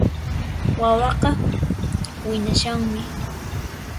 Wawaqa wiñashanmi